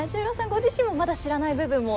ご自身もまだ知らない部分も？